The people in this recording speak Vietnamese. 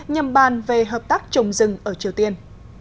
nhằm bàn về hợp tác trồng rừng ở triều tiên